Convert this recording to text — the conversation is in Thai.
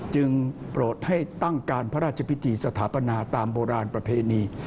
โปรดให้ตั้งการพระราชพิธีสถาปนาตามโบราณประเพณี